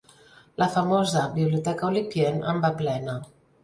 La famosa «Biblioteca Oulipienne» en va plena.